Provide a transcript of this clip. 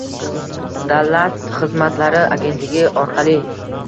dalat xizmatlari agentligi orqali;